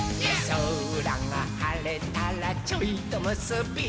「そらがはれたらちょいとむすび」